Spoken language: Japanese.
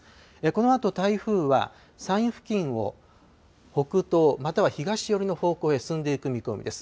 このあと、台風は山陰付近を北東、または東寄りの方向に進んでいく見通しです。